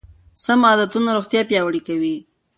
سم عادتونه روغتیا پیاوړې کوي.